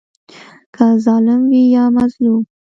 که ظالم وي یا مظلوم.